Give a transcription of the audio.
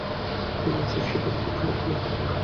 বিনু অস্বস্তি বোধ করতে লাগল।